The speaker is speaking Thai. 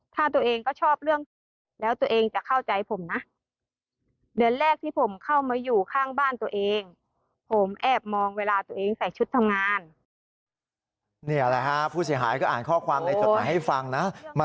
ถ้าตัวเองก็ชอบเรื่องโควิดแล้วตัวเองจะเข้าใจผมนะ